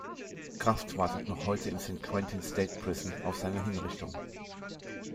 Kraft wartet noch heute im San Quentin State Prison auf seine Hinrichtung.